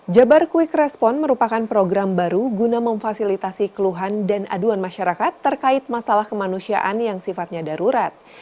jabar quick response merupakan program baru guna memfasilitasi keluhan dan aduan masyarakat terkait masalah kemanusiaan yang sifatnya darurat